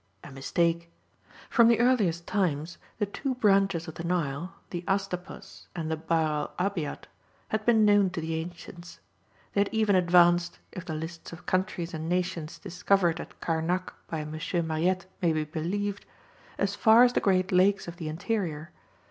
A mistake. From the earliest times the two branches of the Nile, the Astapus and the Bahr el Abiad, had been known to the ancients. They had even advanced if the lists of countries and nations discovered at Karnak by M. Mariette may be believed as far as the great Lakes of the interior.